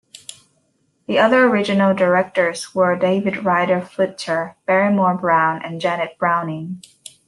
The other original directors were David Ryder Futcher, Barrymore Brown, and Janet Browning.